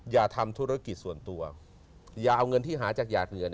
อย่าทำธุรกิจส่วนตัวอย่าเอาเงินที่หาจากหยาดเหงื่อ